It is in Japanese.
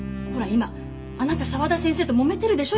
今あなた沢田先生ともめてるでしょ？